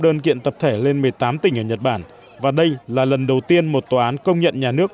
đơn kiện tập thể lên một mươi tám tỉnh ở nhật bản và đây là lần đầu tiên một tòa án công nhận nhà nước